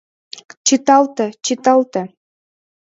— Чыталте, чыталте!